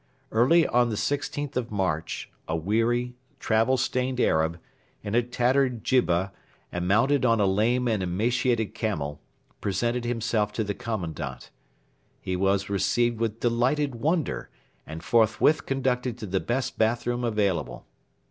Early on the 16th of March a weary, travel stained Arab, in a tattered jibba and mounted on a lame and emaciated camel, presented himself to the Commandant. He was received with delighted wonder, and forthwith conducted to the best bath room available.